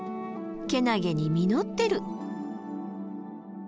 けなげに実ってる！